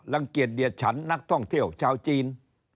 รังเกียจเดียดฉันนักท่องเที่ยวชาวจีน